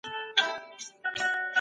کمپيوټر د امنيت مرسته کوي.